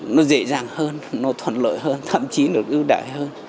nó dễ dàng hơn nó thuận lợi hơn thậm chí nó ưu đại hơn